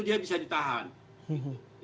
dia bisa ditahan gitu